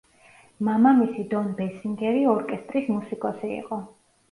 მამამისი დონ ბესინგერი ორკესტრის მუსიკოსი იყო.